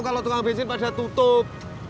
kalau tunggal besin pada tutup